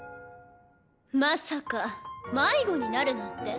まさか迷子になるなんて。